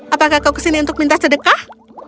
apakah kau ke sini untuk minta sedekah